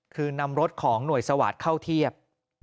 คือนำรถของหน่วยสวาสตร์เข้าเทียบ